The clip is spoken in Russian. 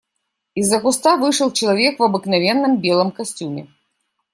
Из-за куста вышел человек в обыкновенном белом костюме.